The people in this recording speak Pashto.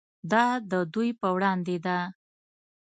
دا د دوی په وړاندې ده.